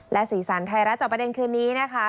และสีสันไทยรัฐจอบประเด็นคืนนี้นะคะ